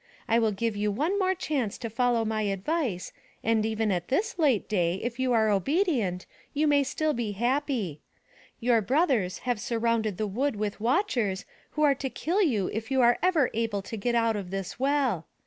I will give you one more chance to follow my advice and even at this late day if you are obedient, you may still be happy. Your brothers have surrounded the wood with watchers who are to kill you if you are ever able to get out of this well.